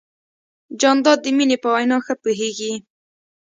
جانداد د مینې په وینا ښه پوهېږي.